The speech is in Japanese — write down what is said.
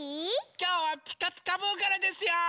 きょうは「ピカピカブ！」からですよ！